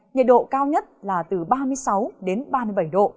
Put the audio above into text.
nhiệt độ cao nhất là từ ba mươi sáu đến ba mươi bảy độ